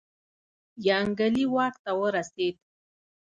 یانګلي واک ته ورسېد.